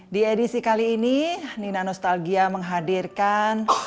di edisi kali ini nina nostalgia menghadirkan